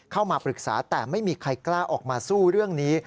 เข้ามาปรึกษาแต่ไม่มีใครกล้าออกมาสู้เรื่องนี้